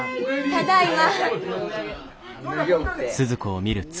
ただいま。